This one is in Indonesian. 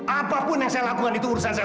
apapun yang saya lakukan itu urusan saya